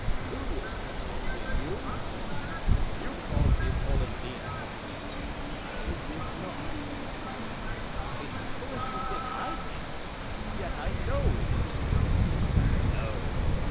"Who is insulting you?" "You called me Polendina." "I did not." "I suppose you think I did! Yet I KNOW it was you." "No!"